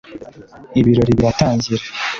ibirori biratangira